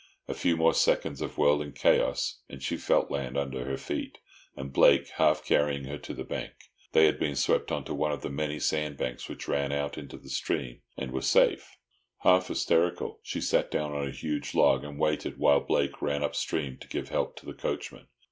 A few more seconds of whirling chaos, and she felt land under her feet, and Blake half carrying her to the bank. They had been swept on to one of the many sand banks which ran out into the stream, and were safe. Half hysterical, she sat down on a huge log, and waited while Blake ran up stream to give help to the coachman.